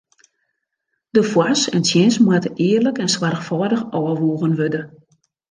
De foars en tsjins moatte earlik en soarchfâldich ôfwoegen wurde.